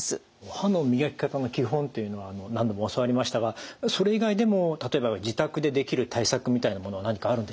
歯の磨き方の基本というのは何度も教わりましたがそれ以外でも例えば自宅でできる対策みたいなものは何かあるんでしょうか？